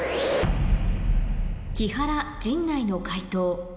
木原陣内の解答